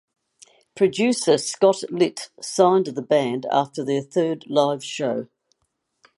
Producer Scott Litt signed the band after their third live show.